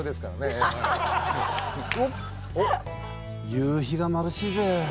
夕日がまぶしいぜ。